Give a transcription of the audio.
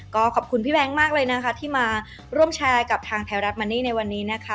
ก็ขอบคุณพี่แบงค์มากเลยนะคะที่มาร่วมแชร์กับทางไทยรัฐมานี่ในวันนี้นะคะ